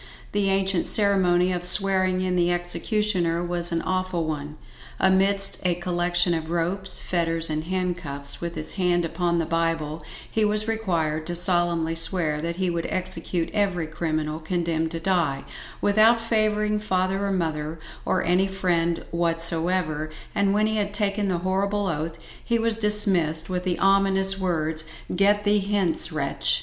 The ancient ceremony of swearing in the executioner was an awful one. Amidst a collection of ropes, fetters and handcuffs, with his hand upon the bible, he was required to solemnly swear that he would execute every criminal condemned to die, without favouring father or mother, or any friend whatsoever; and when he had taken the horrible oath he was dismissed with the ominous words "GET THEE HENCE WRETCH!"